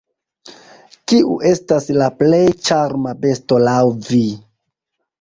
Kiu estas la plej ĉarma besto laŭ vi?